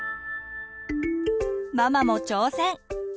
ママも挑戦！